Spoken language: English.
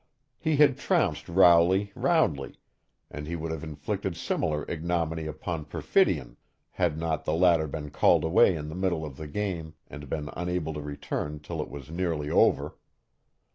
He had trounced Rowley roundly, and he would have inflicted similar ignominy upon Perfidion had not the latter been called away in the middle of the game and been unable to return till it was nearly over.